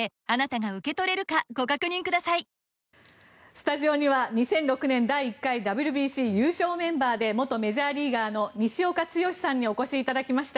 スタジオには２００６年第１回ＷＢＣ優勝メンバーで元メジャーリーガーの西岡剛さんにお越しいただきました。